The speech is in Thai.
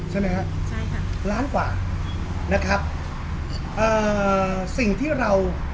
ใช่ไหมฮะใช่ค่ะล้านกว่านะครับเอ่อสิ่งที่เรา